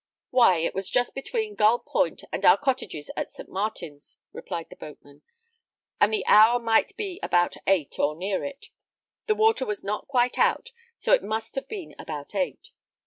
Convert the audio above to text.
"Why, it was just between Gullpoint and our cottages at St. Martin's," replied the boatman; "and the hour might be about eight, or near it. The water was not quite out, so it must have been about eight.